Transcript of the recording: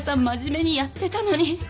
真面目にやってたのに。